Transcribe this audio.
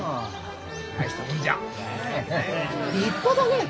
立派だねえ！